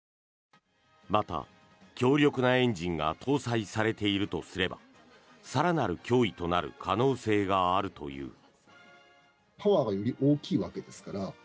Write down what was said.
また、強力なエンジンが搭載されているとすれば更なる脅威となる可能性があるという。